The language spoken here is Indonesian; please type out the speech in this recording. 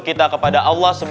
kita kepada allah swt